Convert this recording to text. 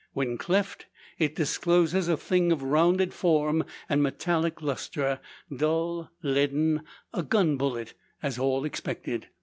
When cleft, it discloses a thing of rounded form and metallic lustre, dull leaden a gun bullet, as all expected.